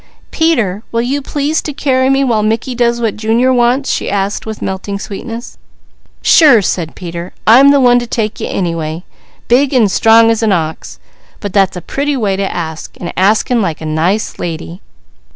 "Peter, will you please to carry me while Mickey does what Junior wants?" she asked with melting sweetness. "Sure!" said Peter. "I'm the one to take you anyway, big and strong as an ox; but that's a pretty way to ask, and acting like a nice lady!"